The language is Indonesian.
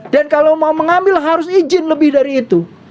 dan kalau mau mengambil harus izin lebih dari itu